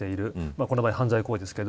この場合、犯罪行為ですけど。